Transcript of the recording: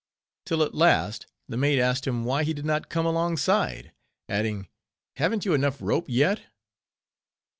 Till at last the mate asked him why he did not come alongside, adding, "Haven't you enough rope yet?"